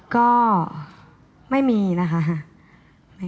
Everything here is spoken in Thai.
ก็ไม่มีนะคะ